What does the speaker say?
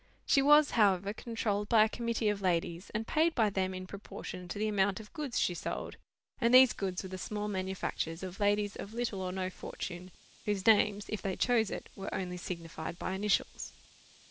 She was, however, controlled by a committee of ladies; and paid by them in proportion to the amount of goods she sold; and these goods were the small manufactures of ladies of little or no fortune, whose names, if they chose it, were only signified by initials.